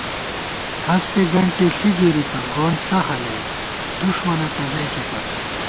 ہستےگنٹے ݪی گِرِتہ گونڅہ ہَلَئ، دُݭمَنہ ٹزَئیکے پت